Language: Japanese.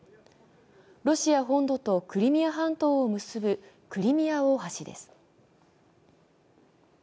ロシア本土とクリミア半島を結ぶクリミア大橋です。